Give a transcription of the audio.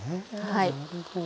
なるほど。